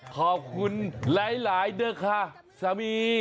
ขอบคุณหลายด้วยค่ะสามี